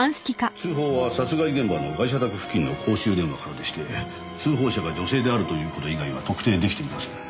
通報は殺害現場のガイシャ宅付近の公衆電話からでして通報者が女性であるという事以外は特定出来ていません。